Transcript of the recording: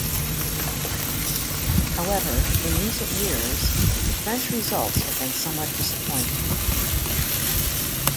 However, in recent years, the French results have been somewhat disappointing.